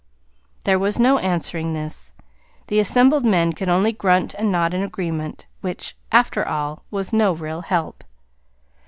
There was no answering this. The assembled men could only grunt and nod in agreement, which, after all, was no real help.